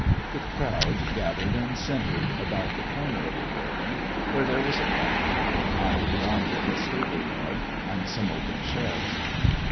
The crowd gathered and centred about the corner of the building, where there was a platform, and beyond it a stable yard and some open sheds.